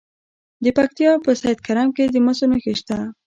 د پکتیا په سید کرم کې د مسو نښې شته.